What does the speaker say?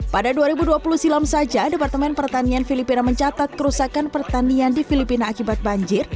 pada dua ribu dua puluh silam saja departemen pertanian filipina mencatat kerusakan pertanian di filipina akibat banjir